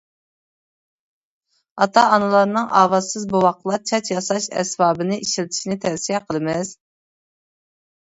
ئاتا-ئانىلارنىڭ ئاۋازسىز بوۋاقلار چاچ ياساش ئەسۋابىنى ئىشلىتىشنى تەۋسىيە قىلىمىز.